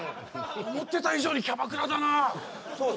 思ってた以上にキャバクラだなそう